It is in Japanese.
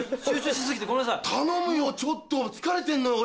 頼むよちょっと疲れてんの俺。